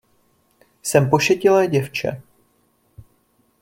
Jsem pošetilé děvče.